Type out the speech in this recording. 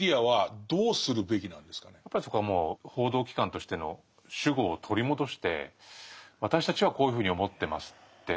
やっぱりそこはもう報道機関としての主語を取り戻して「私たちはこういうふうに思ってます」って。